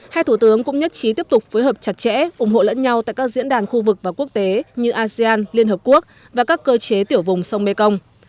hai thủ tướng cũng nhất trí tiếp tục phối hợp chặt chẽ ủng hộ lẫn nhau tại các diễn đàn khu vực và quốc tế như asean liên hợp quốc và các cơ chế tiểu vùng sông mekong